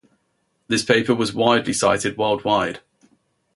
This paper was widely cited worldwide.